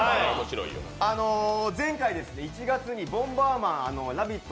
前回、１月に「ボンバーマン」ラヴィット！